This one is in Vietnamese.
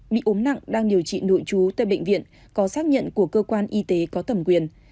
bị ốm nặng đang điều trị nội trú tại bệnh viện có xác nhận của cơ quan y tế có thẩm quyền